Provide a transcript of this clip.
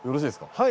はい。